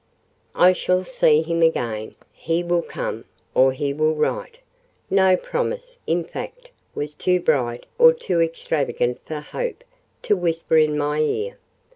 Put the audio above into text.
"I shall see him again.—He will come; or he will write." No promise, in fact, was too bright or too extravagant for Hope to whisper in my ear.